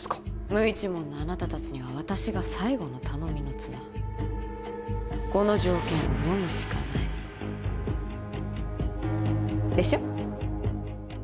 無一文のあなた達には私が最後の頼みの綱この条件をのむしかないでしょ？